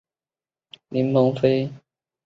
林鹏飞为雍正八年庚戌科二甲进士。